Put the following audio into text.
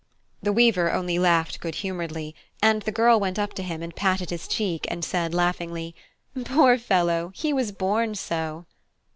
The weaver only laughed good humouredly; and the girl went up to him and patted his cheek and said laughingly, "Poor fellow! he was born so."